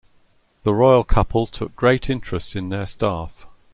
The royal couple took great interest in their staff.